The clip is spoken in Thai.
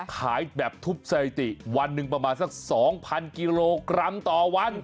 ขายแบบทุบสถิติวันหนึ่งประมาณสัก๒๐๐กิโลกรัมต่อวัน